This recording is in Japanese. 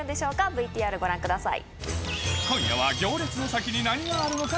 ＶＴＲご覧ください。